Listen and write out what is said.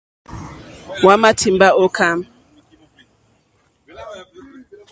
Hwámà tìmbá ô kâmp.